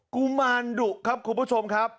กุมารดุครับคุณผู้ชมครับ